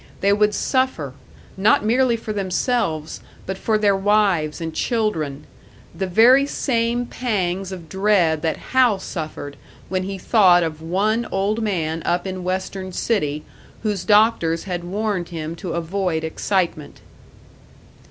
They would suffer, not merely for themselves, but for their wives and children the very same pangs of dread that Hal suffered when he thought of one old man up in Western City, whose doctors had warned him to avoid excitement.